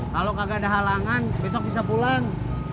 kalau kagak ada halangan besok bisa pulang